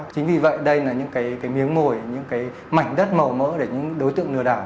chính vì vậy đây là những miếng mồi những mảnh đất màu mỡ để những đối tượng lừa đảo